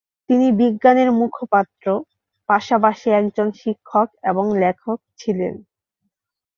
তিনি বিজ্ঞানের মুখপাত্র, পাশাপাশি একজন শিক্ষক এবং লেখক ছিলেন।